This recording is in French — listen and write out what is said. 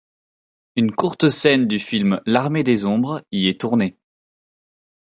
Une courte scène du film l'Armée des ombres y est tournée.